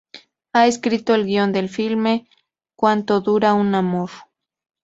Ha escrito el guion del filme "Quanto dura um amor?